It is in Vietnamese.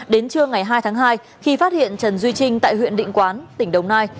đến trưa ngày hai tháng hai khi phát hiện trần duy trinh tại huyện định quán tỉnh đồng nai